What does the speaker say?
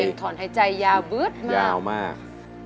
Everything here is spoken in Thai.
เสียงถอนหายใจยาวบึ๊ดมาก